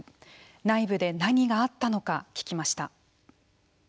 内部で何があったのか聞きました。